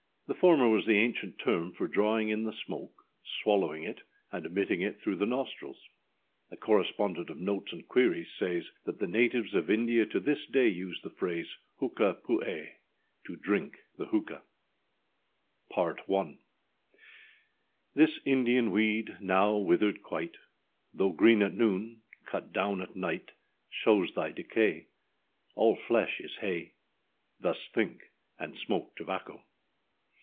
â The former was the ancient term for drawing in the smoke, swallowing it, and emitting it through the nostrils. A correspondent of Notes and Queries says, that the natives of India to this day use the phrase âhooka peue,â to drink the hooka.] PART I. THIS Indian weed, now withered quite, Though green at noon, cut down at night, Shows thy decay; All flesh is hay: Thus think, and smoke tobacco.